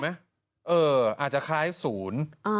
หมื่นเอออาจจะคล้ายสูน